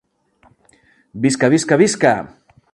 Visca visca visca!